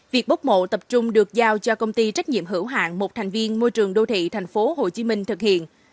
việc bốc mộ tập trung được giao cho công ty trách nhiệm hữu hạng một thành viên môi trường đô thị tp hcm thực hiện